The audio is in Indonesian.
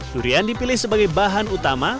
durian dipilih sebagai bahan utama